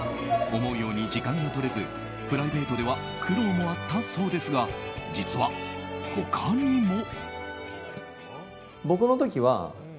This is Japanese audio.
思うように時間が取れずプライベートでは苦労もあったそうですが実は、他にも。